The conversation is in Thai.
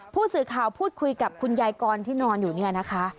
ผู้สื่อข่าวพูดคุยกับคุณยายกรที่นอนอยู่เนี่ยนะคะ